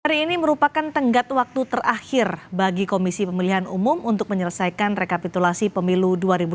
hari ini merupakan tenggat waktu terakhir bagi komisi pemilihan umum untuk menyelesaikan rekapitulasi pemilu dua ribu dua puluh